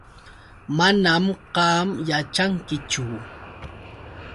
Manam qam yaćhankichu.